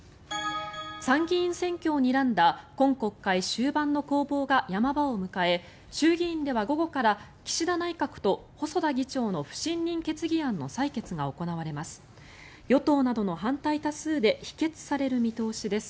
参議院選挙をにらんだ今国会終盤の攻防が山場を迎え衆議院では午後から岸田内閣と細田議長の不信任決議案の採決が行われます。